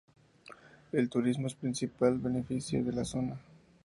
El turismo es el principal beneficio de la zona.